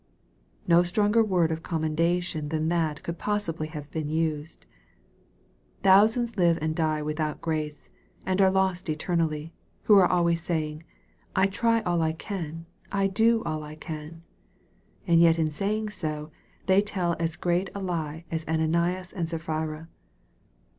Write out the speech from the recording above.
No stronger word of commendation than that could possibly have been used. Thousands live and die without grace, and are lost eternally, who are always saying, " I try all I can. I do all I can." And yet in saying so, they tell as great a lie as Ananias and Sapphira.